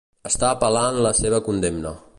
Està apel·lant la seva condemna.